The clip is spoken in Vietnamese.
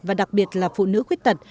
và đặc biệt là phụ nữ khuyết tật